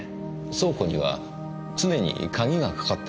倉庫には常に鍵がかかっていますよね？